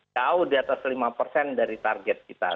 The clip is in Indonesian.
jauh di atas lima persen dari target kita